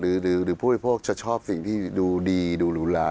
หรือพวกพี่โพกจะชอบสิ่งที่ดูดีดูรุลา